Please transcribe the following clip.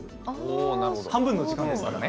半分の時間ですからね。